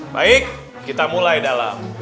baik kita mulai dalam